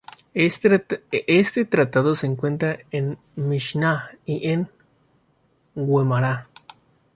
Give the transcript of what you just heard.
Este tratado se encuentra en la Mishná y en la Guemará.